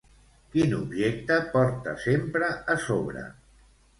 Quin objecte porta sempre a sobre?